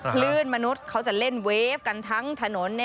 คลื่นมนุษย์เขาจะเล่นเวฟกันทั้งถนน